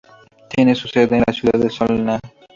Tiene su sede en la ciudad de Solna.